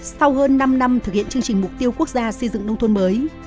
sau hơn năm năm thực hiện chương trình mục tiêu quốc gia xây dựng nông thôn mới